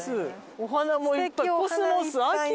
お花もいっぱい。